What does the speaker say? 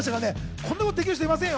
こんなことできる人いませんよ。